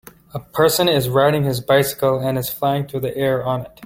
A person is riding his bicycle and is flying through the air on it.